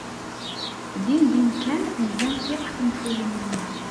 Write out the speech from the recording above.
Dindin kan nzant akk tenfulin-nni.